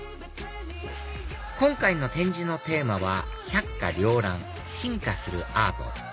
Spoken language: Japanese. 今回の展示のテーマは「百華繚乱進化するアート」